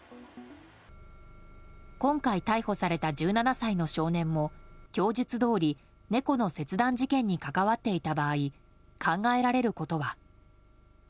今回、逮捕された１７歳の少年も供述どおり、猫の切断事件に関わっていた場合考えられることは？